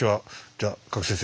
じゃあ加来先生。